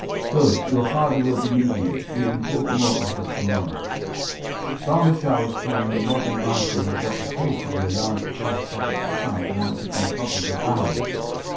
"Good. Your father will be needing it. We can talk more of this tomorrow." Barma Shah was carrying a modern rifle with what appeared to be a large telescopic sight mounted on top of the barrel.